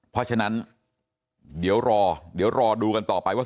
เพราะฉะนั้นเดี๋ยวรอเดี๋ยวรอดูกันต่อไปว่า